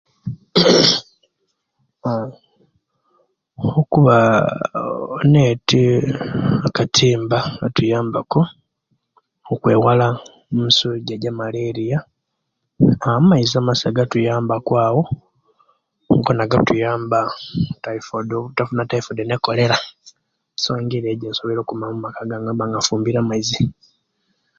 Aah okuba neeti akatimba katuyambaku okwewala emisuja jamaleraya aa amaizi amasa gatuyambaku awo gona gatuyamba taifodi obutafuna taifodi ni korera so engeriyo yensobwoire kuumamu amaka gange bwembanga nfumbire maizi